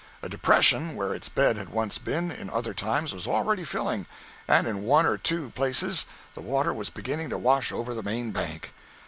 A depression, where its bed had once been, in other times, was already filling, and in one or two places the water was beginning to wash over the main bank.